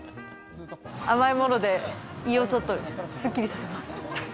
甘いもので胃をちょっとすっきりさせます。